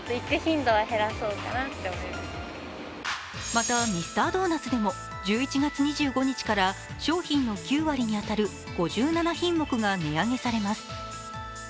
またミスタードーナツでも１１月２５日から商品の９割に当たる５７品目が値上げされます。